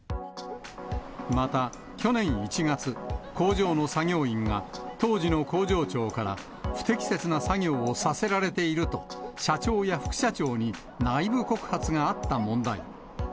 また去年１月、工場の作業員が、当時の工場長から不適切な作業をさせられていると、社長や副社長に内部告発があった問題。